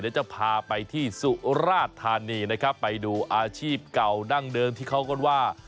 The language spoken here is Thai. เดี๋ยวจะพาไปที่สุราธานีนะครับไปดูอาชีพเก่าดั้งเดิมที่เขากันว่า